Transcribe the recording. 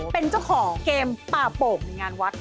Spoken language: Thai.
เป็นเจ้าของเกมป่าโป่งในงานวัด